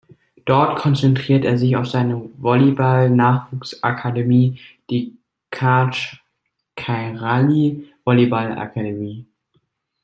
Dort konzentriert er sich auf seine Volleyballnachwuchs-Akademie, die Karch Kiraly Volleyball Academy.